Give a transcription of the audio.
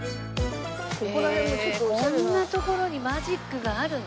こんな所にマジックがあるの？